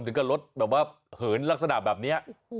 สิ่งที่รถเหินลักษณะแบบนี้